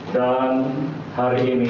dan hari ini